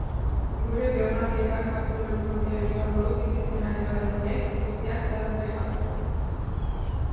Gure biografietan kapitulu propioa izango du bizitzen ari garen honek guztiak zalantzarik gabe.